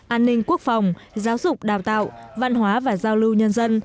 an ninh quốc phòng giáo dục đào tạo văn hóa và giao lưu nhân dân